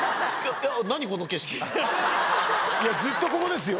ずっとここですよ。